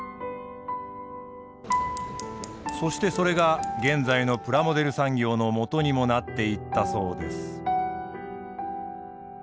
そしてそれが現在のプラモデル産業のもとにもなっていったそうです。